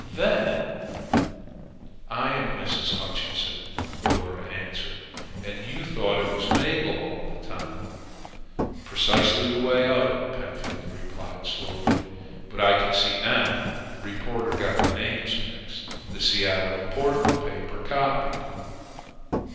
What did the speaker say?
"Then " "I am Mrs. Hutchinson," Dora answered. "And you thought it was Mabel all the time " "Precisely the way of it," Pentfield replied slowly. "But I can see now. The reporter got the names mixed. The Seattle and Portland paper copied."